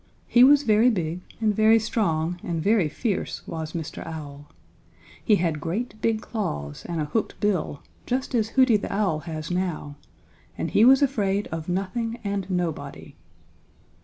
He was very big and very strong and very fierce, was Mr. Owl. He had great big claws and a hooked bill, just as Hooty the Owl has now, and he was afraid of nothing and nobody.